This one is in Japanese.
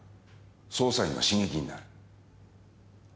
捜査員の刺激になる。